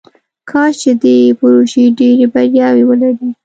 کاش چې دې پروژې ډیرې بریاوې ولري.